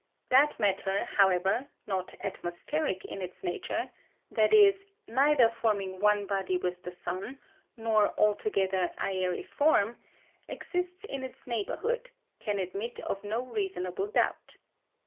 That matter, however, not atmospheric in its nature that is, neither forming one body with the sun nor altogether aëriform exists in its neighbourhood, can admit of no reasonable doubt.